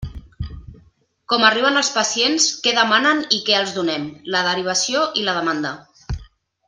Com arriben els pacients, què demanen i què els donem: la derivació i la demanda.